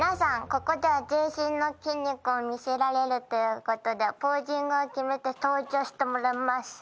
ここでは全身の筋肉を見せられるということでポージングを決めて登場してもらいます。